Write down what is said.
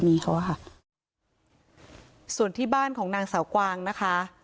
มีเขาอะค่ะส่วนที่บ้านของนางสาวกวางนะคะ